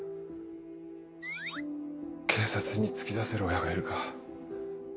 警察に突き出せる親がいるか？